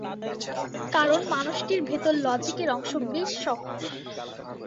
কারণ মানুষটির ভেতর লজিকের অংশ বেশ শক্ত।